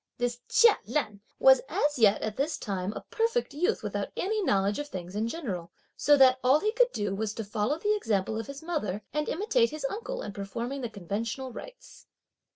This Chia Lan was as yet at this time a perfect youth without any knowledge of things in general, so that all that he could do was to follow the example of his mother, and imitate his uncle in performing the conventional rites.